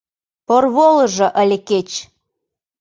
Порволыжо ыле кеч!